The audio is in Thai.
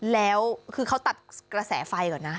แล้วคือเขาตัดกระแสไฟก่อนนะ